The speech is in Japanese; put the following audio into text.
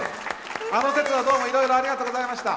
あの節はどうもいろいろありがとうございました。